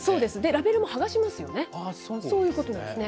ラベルも剥がしますもんね。